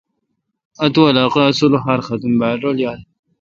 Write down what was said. اوں علاقہ سلخار ختم بال رل یال۔